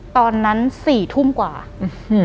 ตอนนั้น๔ทุ่มกว่าอืมอืม